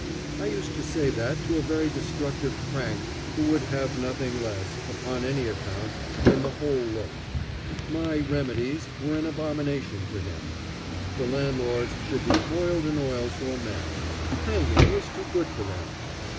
I used to say that to a very destructive crank who would have nothing less, upon any account, than the whole loaf. My "remedies" were an abomination to him. The landlords should be boiled in oil to a man; hanging was too good for them.